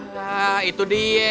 nah itu dia